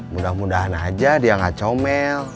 mudah mudahan aja dia gak comel